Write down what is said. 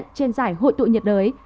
trên giải hội tụ nhiệt đới